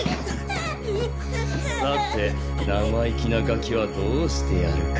さて生意気なガキはどうしてやるか。